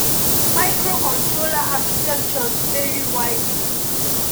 Microcontroller architectures vary widely.